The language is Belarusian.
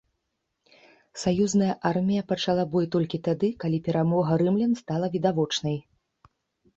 Саюзная армія пачала бой толькі тады, калі перамога рымлян стала відавочнай.